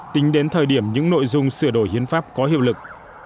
tính đến thời điểm những nội dung sửa đổi hiến pháp có hiệu lực